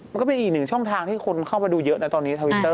ก็เป็นอีกหนึ่งช่องทางที่คนเข้ามาดูเยอะนะตอนนี้ทวิตเตอร์